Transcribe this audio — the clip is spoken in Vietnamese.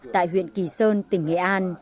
tại huyện kỳ sơn tỉnh nghệ an